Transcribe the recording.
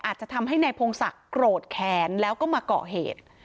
อาจจะทำให้นายพงศักดิ์โกรธแค้นแล้วก็มาเกาะเหตุ